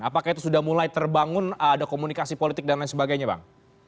apakah itu sudah mulai terbangun ada komunikasi politik dan lain sebagainya bang